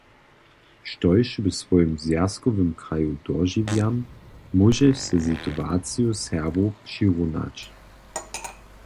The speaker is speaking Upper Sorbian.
Štož w swojim zwjazkowym kraju dožiwjam, móžeš ze situaciju Serbow přirunać.